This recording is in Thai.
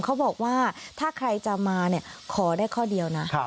เขาบอกว่าถ้าใครจะมาขอได้ข้อเดียวนะ